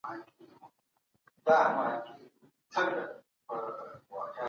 صادق استاد ماشومانو ته د صحي ژوند ساده لارې ښووي.